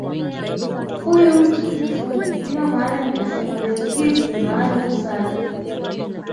Huyu mtu ni fundi ndiyo maana nikasema viatu hivi ni maalumu sana